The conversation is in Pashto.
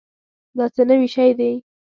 دا څه نوي شی دی؟